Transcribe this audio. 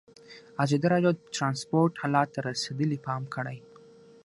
ازادي راډیو د ترانسپورټ حالت ته رسېدلي پام کړی.